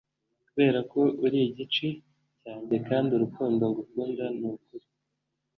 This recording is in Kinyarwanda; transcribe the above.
kuberako uri igice cyanjye kandi urukundo ngukunda nukuri